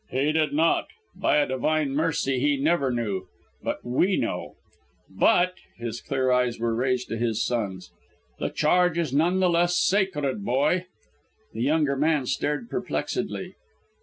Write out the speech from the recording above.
"He did not; by a divine mercy, he never knew what we know. But" his clear eyes were raised to his son's "the charge is none the less sacred, boy!" The younger man stared perplexedly.